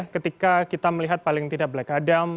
ketika kita melihat paling tidak black adam